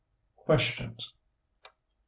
_) QUESTIONS 1.